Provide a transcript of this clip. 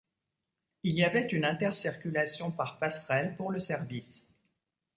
Il y avait une intercirculation par passerelles pour le service.